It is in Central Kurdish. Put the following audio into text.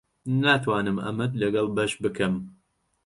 ناتوانم ئەمەت لەگەڵ بەش بکەم.